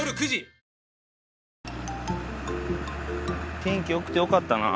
天気良くてよかったな。